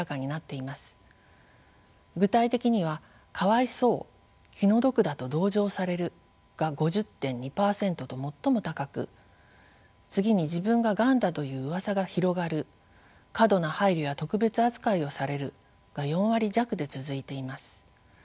具体的には「かわいそう気の毒だと同情される」が５０．２％と最も高く次に「自分が『がん』だといううわさが広がる」「過度な配慮や特別扱いをされる」が４割弱で続いています。